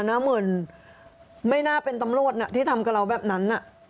เหมือนไม่น่าเป็นตำรวจที่ทำกับเราแบบนั้น